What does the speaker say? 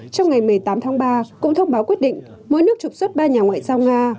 trong ngày một mươi tám tháng ba cũng thông báo quyết định mỗi nước trục xuất ba nhà ngoại giao nga